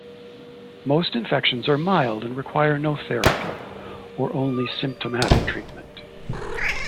Most infections are mild and require no therapy or only symptomatic treatment.